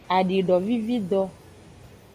Adidovivido.